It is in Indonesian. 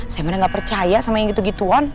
saya bener gak percaya sama yang gitu gituan